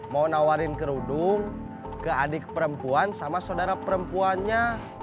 mau nawarin kerudung ke adik perempuan sama saudara perempuannya